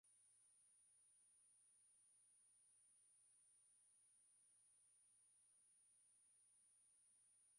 tuna vyoo vya kisasa kitu kime kimepiga kelele